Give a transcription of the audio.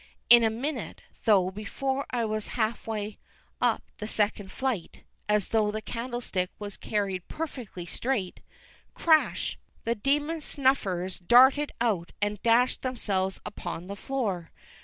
In a minute, though before I was half way up the second flight, and though the candlestick was carried perfectly straight crash! the demon snuffers darted out, and dashed themselves upon the floor.